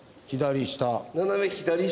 左下。